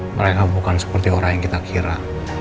mereka bukan seperti orang yang kita kira